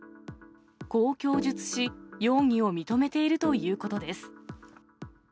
こう供述し、容疑を認めているということです。